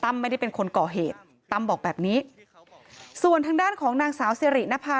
ไม่ได้เป็นคนก่อเหตุตั้มบอกแบบนี้ส่วนทางด้านของนางสาวสิรินภา